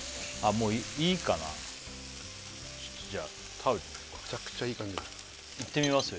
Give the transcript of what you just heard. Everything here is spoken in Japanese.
もういいかなじゃあ食べてみよっかめちゃくちゃいい感じいってみますよ